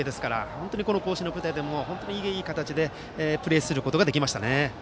本当にこの甲子園の舞台でもいい形でプレーすることができましたね。